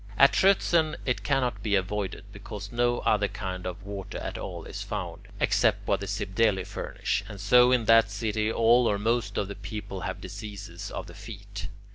At Troezen it cannot be avoided, because no other kind of water at all is found, except what the Cibdeli furnish, and so in that city all or most of the people have diseases of the feet.